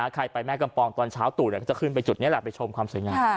ใครไปแม่กำปองตอนเช้าตู่ก็จะขึ้นไปจุดนี้แหละไปชมความสวยงาม